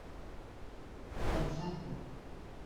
Em fa por.